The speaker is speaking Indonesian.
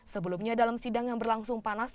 sebelumnya dalam sidang yang berlangsung panas